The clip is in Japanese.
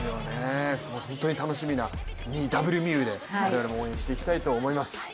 本当に楽しみなＷみゆうで、応援していきたいと思います。